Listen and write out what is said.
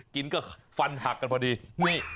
กินก็ฟันหักกันพอดีนี่